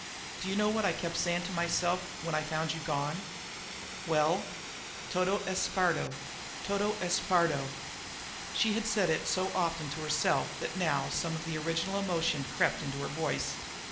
"Do you know what I kept sayin' to myself when I found you was gone?" "Well?" "Todo es perdo; todo es perdo!" She had said it so often to herself that now some of the original emotion crept into her voice.